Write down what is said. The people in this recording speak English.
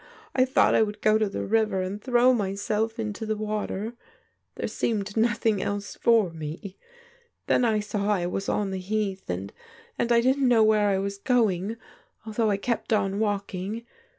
I thought I would go to the river and throw myself into the water. ... There seemed nothing else for me. Then I saw I was on the Heath, and — ^and I didn't know where I was going, although I kept on waMng.